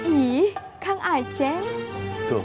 ih kang aceh